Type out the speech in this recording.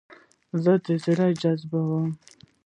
زړه د زړه جذبوي.